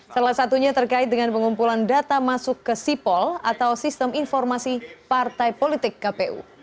salah satunya terkait dengan pengumpulan data masuk ke sipol atau sistem informasi partai politik kpu